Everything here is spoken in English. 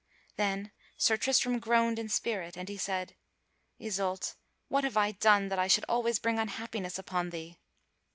Then Sir Tristram groaned in spirit and he said: "Isoult, what have I done, that I should always bring unhappiness upon thee?"